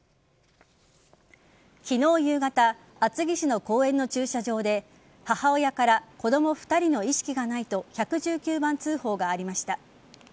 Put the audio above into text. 昨日夕方厚木市の公園の駐車場で母親から子供２人の意識がないと１１９番通報がありました。